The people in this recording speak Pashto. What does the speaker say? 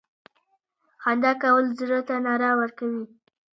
• خندا کول زړه ته رڼا ورکوي.